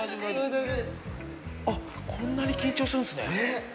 あっ、こんなに緊張するんですね。